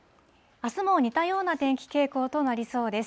あすも似たような天気傾向となりそうです。